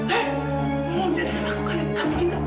mau jadikan aku kandang kami kita